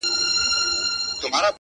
• چي سزا یې په قسمت وه رسېدلې,